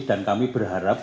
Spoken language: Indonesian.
dan kami berharap